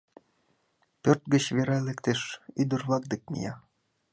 Пӧрт гыч Верай лектеш, ӱдыр-влак дек мия.